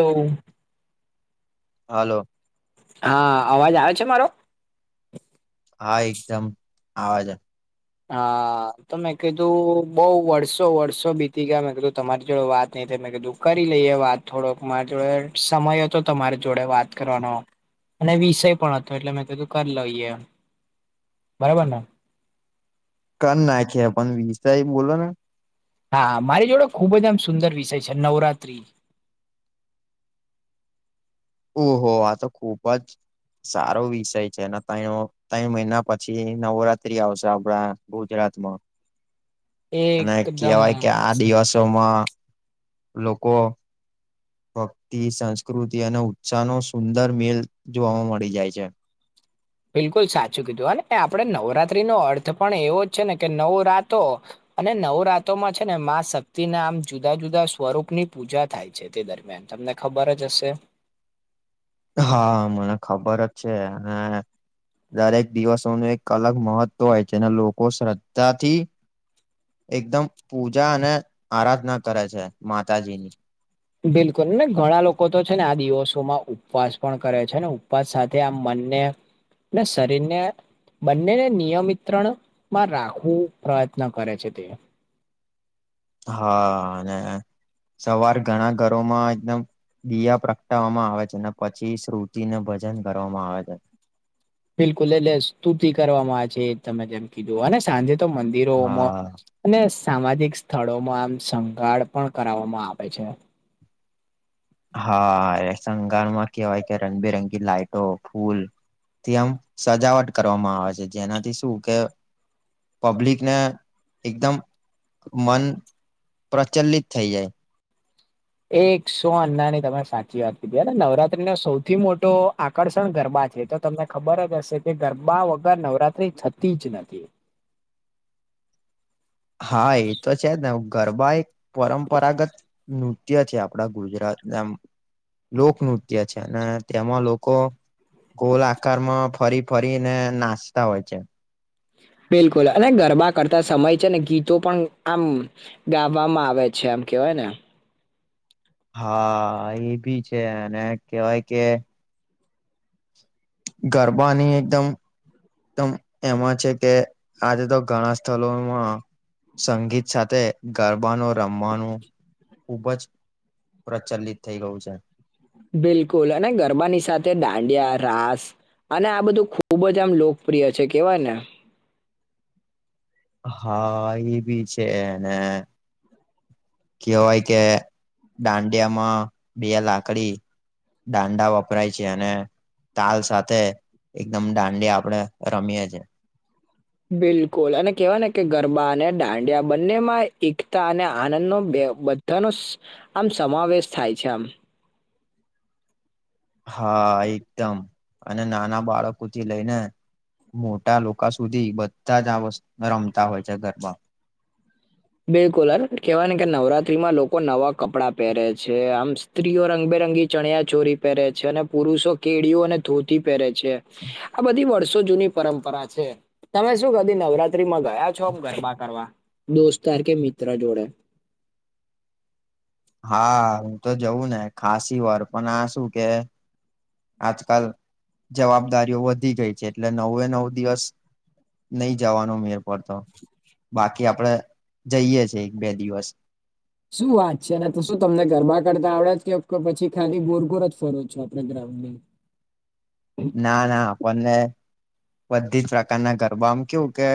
[unintelligible] હાલો હા અવાજ આવે છે મારો હા એકદમ આવે છે. હા તો મેં કીધું બઉ વર્ષો વર્ષો બીતી ગયા મેં કીધું તમારી જોડે વાત નઈ થઈ મેં કીધું કરી લઈએ વાત થોડોક મારા જોડે સમય તો તમારી જોડે વાત કરવાનો. અને વિષય પણ હતો એટલે મેં તોધું કરી લઈએ બરાબર ને કર નાખીએ વિષય બોલોને હા મારી જોડે ખુબ જ આમ સુંદર વિષય છે નવરાત્રી ઓહો આ તો ખુબ જ સારો વિષય છે [unintelligible] ત્રય મહિના પછી નવરાત્રી આવશે આપડા ગુજરાતમાં. એ અને એકદમ કેવાય કે આ દિવસો માં લોકો ભક્તિ સંસ્કૃતિ અને ઉત્સાહનો સુંદર મેલ જોવા મળી જાય છે. બિલકુલ સાચું કીધું અને આપણે નવરાત્રી નો અર્થ પણ એવો જ છે ને કે નવ રાતો અને નવરાતોમાં છે ને માં શક્તિ ના આમ જુદા જુદા સ્વરૂપ ની પૂજા થાય છે તે દરમિયાન. તમને ખબર જ હશે. હા મને ખબર જ છે અને દરેક દિવસોનું એક અલગ મહત્વ હોય જેને લોકો શ્રદ્ધાથી એકદમ પૂજા અને આરાધના કરે છે માતાજીની બિલકુલ ને ઘણા લોકો તો છે ને આ દિવસોમાં ઉપવાસ પણ કરે છે ને ઉપવાસ સાથે આમ મનને ને શરીર ને બંનેને નિયમિત્રણમાં રાખવું પ્રયત્ન કરે છે તે. હા અને સવાર ઘણા ઘરોમાં એકદમ દીયા પ્રગટાવવામાં આવે છે અનેને પછી શ્રુતિને ભજન કરવામાં આવે છે. બિલકુલ એટલે સ્તુતિ કરવામાં આવે છે એ તમે જેમકી દો અને સાંજે તો મંદિરોમાં હા અને સામાજિક સ્થળોમાં આમ સંંગાળ પણ કરાવવામાં આવે છે. હા એ સંગારમાં કેવાય કે રંગબેરંગી લાાઈટો ફૂલ થી આમ સજાવટ કરવામાં આવે છે જેનાથી શું કે પબ્લિકને એકદમ મન પ્રચલિત થઈ જાય. એક સો અન્નાની તમે સાચી વાત કીધી નવરાત્રી નો સૌથી મોટો આકર્ષણ ગરબા છે. તો તમને ખબર જ હશે કે ગરબા વગર નવરાત્રી થતી જ નથી. હા એ તો છે જ ને ગરબા એક પરંપરાગત નૃત્ય છે આપડા ગુજરાતનું એમ. લોકનૃત્ય છે અને તેમાં લોકો ગોલ આકારમાં ફરી ફરી ને નાચતા હોય છે. બિલકુલ અને ગરબા કરતા સમય છે ને ગીતો પણ આમ ગાવામાં આવે છે એમ કેવાય ને હા એ ભી છે અને કેહેવાય કે ગરબાની એકદમ એકદમ એમાં છે કે આજે તો ઘણા સ્થળોમાં સંગીત સાથે ગરબાનો રમવાનું ખુબ જ પ્રચલિત થઈ ગયું છે. બિલકુલ અને ગરબાની સાથે દાંડિયા રાસ અને આ બધું ખુબ જ આમ લોકપ્રિય છે કેવાય ને હા એ બી છે ને કેવાય કે દાંડિયામાં બે લાકડી દાંડા વપરાય છે અને તાલ સાથે એકદમ દાંડી આપડે રમીયએ છે એ બિલકુલ અને કેહેવાય ને કે ગરબા અને દાંડિયા બંને માં એકતા અને આનંદ નો બે બધ ધનો સ આમ સમાવેશ થાય છે આમ હા એકદમ અને નાના બાળકો થી લઈને મોટા લોકો સુધી બધા જ આ વસ રમતા હોય છે ગરબા બિલકુલ અ કેવાય ને કે નવરાત્રીમાં લોકો નવા કપડાં પહેરે છે આમ સ્ત્રીઓ રંગબેરંગી ચણિયા ચોરી પહેરે છે અને પુરુષો કેળીઓ અને ધોતી પહેરે છે આ બધી વર્ષો જૂની પરંપરા છે. તમે શું કદી નવરાત્રીમાં ગયા છો આમ ગરબા કરવા દોસ્તાર કે મિત્ર જોડે હા હું તો જઉં ને ખાાસી વાર પણ આ શું કે આજકાલ જવાબદારીઓ વધી ગઈ છે એટલે નવે નવ દિવસ નહી જવાનો મેર પડતો બાકી આપડે જઈએ છેએ એક બે દિવસ શું વાત છે અને તો શું તમને ગરબા કરતા આવડે જ કે પછી ખાલી ગોળગોળ જ ફરો છો આખા ગ્રાઉન્ડમાં ના ના આપણને બધી જ પ્રકારના ગરબા આમ કેવું કે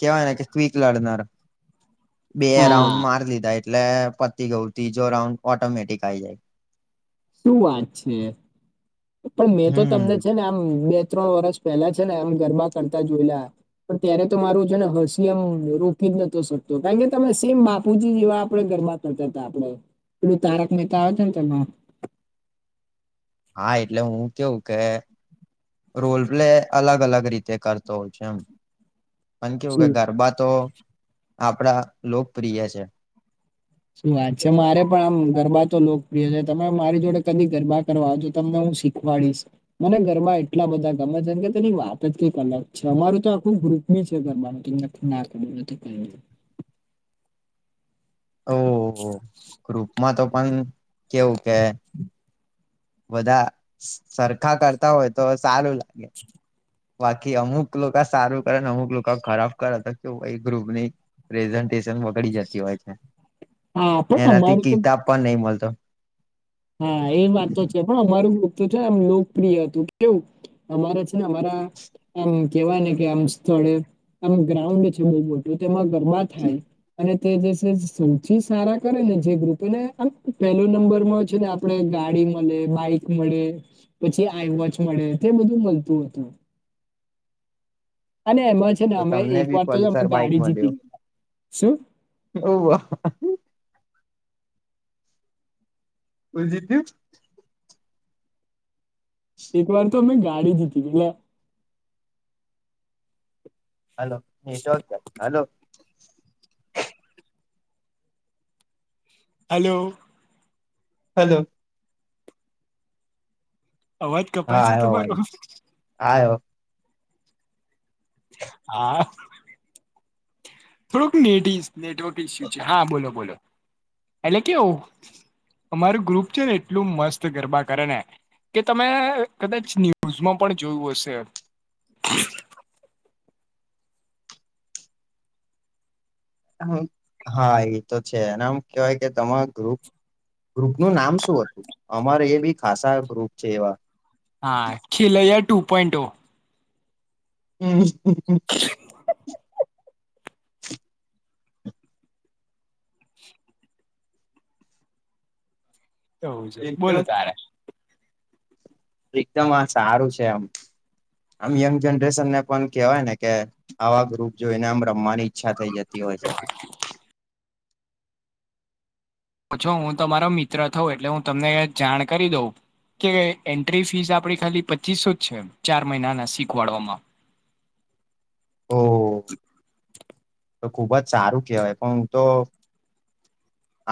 કેવાયને કે ક્વિક લડનાર બે હા રાઉન્ડ માર લીધા એટલે પતી ગયું ત્રીજો રાઉન્ડ ઓટોમેટિક આઈ જાય શું વાત છે પણ મેં તો હમ તમને છે ને આમ બે ત્રણ વર્ષ પહેલા છે ને એ ગરબા કરતા જોયલા પણ ત્યારે તો મારું છે ને હસીયમ રોકી જ નતો શકતો કારણ કે તમે સેમ બાપુજી જેવા આપડે ઘરબા આપડે પેલું તારક મેહતા આવે છે ને તમાર હા એટલે હું કેવું કે રોલ પ્લે અલગ અલગ રીતે કરતો હોય છે એમ. પણ કેવું કે શું ગરબા તો આપડા લોકપ્રિય છે. શું વાત છે મારે પણ આમ ગરબા તો લોકપ્રિય છે તમે મારી જોડે કદી ગરબા કરવા આવજો તમને હું શીખ વાળીશ મને ઘરમાં એટલા બધા ગમે છેમ કે તેની વાત જ કઈક અલગ છે અમારું તો આખું ગ્રુપ ની છે ગરબાનું તમને ના કર્યું નથી કરી ઓ હો ગ્રુપમાં તો પણ કેવું કે બધા સરખા કરતા હોય તો સારું લાગે બાકી અમુક લોકો સારું કરે અમુક લોકો ખરાબ કરે તો કેવું એ ગ્રુપ ની પ્રેઝન્ટેશન બગડી જતી હોય છે હા પણ એનાથી અમારું તો કિતાબ પણ નહી મળતો. હા એ વાત તો છે પણ અમારું ગ્રુપ તો છે આમ લોકપ્રિય હતું કેવું અમારા છે ને અમારા આમ કેવાય ને કે આમ સ્થળે આમ ગ્રાઉન્ડ છે બહુ મોટું તેમાં ગરબા થાય. અને તે જે છે સૌથી સારા કરે ને જે ગ્રુપો ને પહેલો નંબર માં છે ને આપણે ગાડી મળે બાઈક મળે પછી આઈવોચ મળે તે બધું મળતું હતું. અને એમાં છે ને તો અમે તમને એક બી વાર તો અમે પલ્સર બાઈક ગાડી જીતી ગયા શું? હોવ હ હા. કુલ દીપિયુ એક વાર તો અમે ગાડી જીતી એટલે હલો એતો છે હલો. હેલો. હેલો. અવાજ કપાય છે તમારો. આયો હા થોડુંક નેડી નેટવર્ક ઇસ્યુ છે હા બોલો બોલો એટલે કેઉ અમારું ગ્રુપ છે ને એટલું મસ્ત ગરબા કરે ને કે તમે કદાચ ન્યૂઝમાં પણ જોયું હશે. [inaudible] હા હા એ તો છે એનામ કેવાય કે તમારુ ગ્રુપ ગ્રુપનુંું નામ શું હતું અમારે એ બી ખાસા ગ્રુપ છે એવા. હા ખીલૈયા ટુ પોઈન્ટ ઓ. હમ. તોું છે બોલો એકદમ તારે. એકદમ હા સારું છે આમ. આમ યંગ જનરેશન ને પણ કેવાય ને કે આવા ગ્રુપ જોઈને આમ રમવાની. ઈચ્છા થઈ જતી હોય છે. ઓછો હું તમારો મિત્ર થઉ એટલે હું તમને જાણ કરી દઉં. કે એન્ટ્રી ફીસ આપડી ખાલી પચીસો જ છે ચાર મહિના ના શીખવાડવામાં. હ. તો ખુબજ સારું કહેવાય પણ હું તો.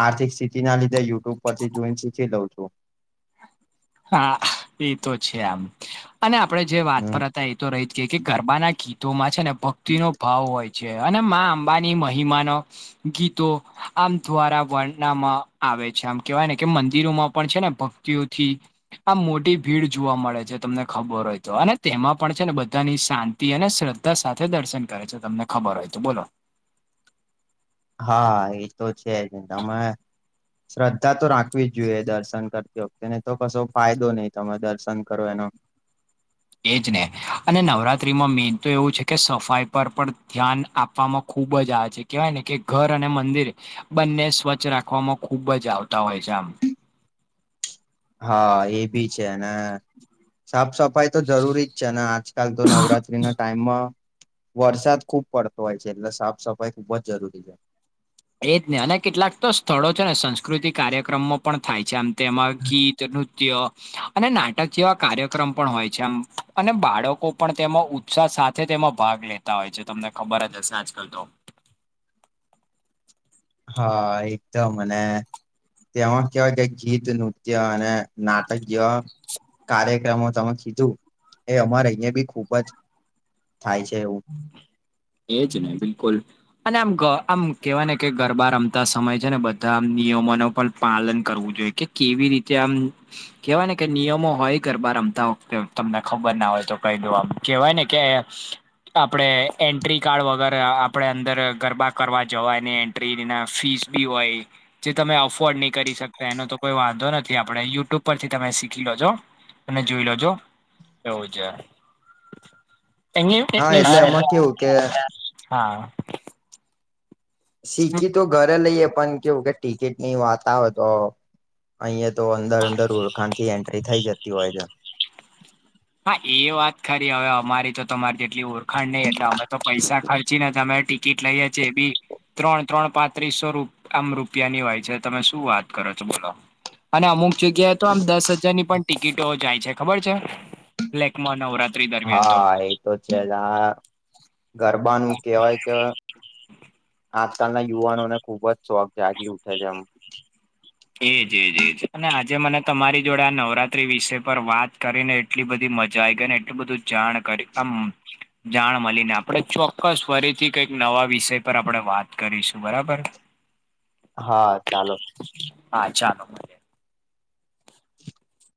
આર્થિક સ્થિતિ ના લીધે યટ્યુબ પરથી જોઈ શીખી લઉં છું. હા એતો છે આમ અને આપડેજે વાત હમ પરત. એતો રહી જ ગ કે ગરબાના ગીતોમાં છે ને ભક્તિ નો ભાવ હોય છે અને મામાં અંબાની મહિમાનો. ગીતો આમ દ્વારા વર્ણમાં આવે છે આમ કેવાયને કે મંદિરોમાં પણ છે ને ભ તેઓથી. આ મોટી ભીડ જોવા મળે છે તમને ખબર હોય તો અને તેમાં પણ છે ને બધાની શાંતિ. એને શ્રદ્ધા સાથે દર્શન કરે છે તમને ખબર હોય તો બોલો. હા એ તો છે જ તમે. શ્રદ્ધા તો રાખવી જ જોઈએ દર્શન કરતી વખતે તો કશો ફાયદો નહી તમે દર્શન કરો એનો. એ જ ને અને નવરાત્રીમાં મેન તો એવું છે કે સફાઈ પર પણ ધ્યાન આપવામાં ખૂબજ આવે છે. કેવાય ને કે ઘર અને મંદિર બંને સ્વચ્છ રાખવામાં ખુબજ આવતા હોય છે આમ. હા એ ભી છે ને સાફ સફાઈ તો જરૂરીજ છે ને આજ. કાલ તો નવરાત્રી ના ટાઈમમાં. વરસાદ ખુબ પડતો હોય છે એટલે સાફ સફાઈ ખુબજ જરૂરી છે. એજ નહી અને કેટલાક તો સ્થળો છે ને સંસ્કૃતિક કાર્યક્રમો પણ થાય છે આમ તેમાં ગીતનું. નૃત્ય અને નાટક જેવા કાર્યક્રમ પણ હોય છે એ અને બાળકો પણ તેમાં. સાથે તેમાં ભાગ લેતા હોય છે તમને ખબરજ હશે આજકાલ તો. હા એકદ મને. તેમાં કહેવાય કે ગીત નૃત્ય અને નાટક્ય. કાર્યક્રમો તમે કીધું એ અમારે અહીં બી ખુબજ થાય છે એવું. એજ ને બિલકુલ અને આમ આમ કેહેવાય ને કે ગરબા રમતા સમય છે ને બધા નિયમો ન પણ પાલન કરવું જોઈએ કે કેવી રીતે આમ કેહેવાય ને કે નિયમો હોય ગરબા રમતાતે તમને ખબર ના હોય તો કહી દો આમ કેવાય ને કે આપડણે એન્ટ્રી કાર્ડ વગર આપડે અંદર ગરબા કરવા જવાયને એ ના ફીસ બી હોય જે તમે અફોર્ડ નહી કરી શકતા એનો તો કોઈ વાંધો નથી આપણે યુટ્યુબ પરથી તમે શીખી લો છો અને જોઈ લજો એવું છે અને હા એટલે એમાં કેવું કે હા શું શીખી તો ઘરે લઈએ પણ કેવું કે ટિકિટ ની વાતા હો તો અહિયાંયા તો અંદર અંદર ઉરખાન થી એન્ટ્રી થઈ જતી હોય છે હા એ વાત ખરી હવે અમારી તો તમારી જેટલી ઓળખાણ નહી એટલે અમે તો પૈસા ખર્ચીને અમે ટિકિટ લાવયા છે બી ત્રણ ત્રણ પાંત્રીસો આમ રૂપિયાની હોય છે તમે શું વાત કરો છો બોલો અને અમુક જગ્યાએ તો આમ દસ હજારની પણ ટિકિટો જાય છે ખબર છે લેકમાં નવરાતત્ર્રી દ હા એ તો છે જ આ ગરબાનું કેવાય કે આજકાલના યુવાનોને ખુબ જ શોખ જાગી ઉઠે છે એમ એજ એજ એજ અને આજે મને તમારી જોડે આ નવરાત્રી વિષ પર વાત કરીને એટલી બધી મજા આવી ગઈ ને એટલું બધું જાણ કરી આમ જાણ મળીને આપણે ચોક્કસ ફરીથી કઈક નવા વિષય પર આપણેે વાત કરીશું બરાબર. હા ચાલો હા ચાલો [unintelligible]